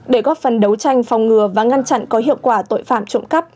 để góp phần đấu tranh phòng ngừa và ngăn chặn có hiệu quả tội phạm trộm cắp